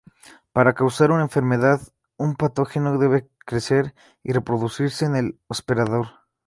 Para causar una enfermedad un patógeno debe crecer y reproducirse en el hospedador.